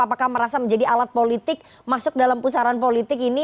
apakah merasa menjadi alat politik masuk dalam pusaran politik ini